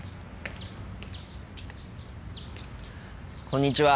こんにちは。